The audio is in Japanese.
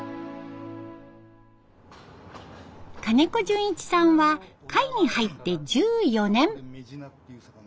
金子淳一さんは会に入って１４年。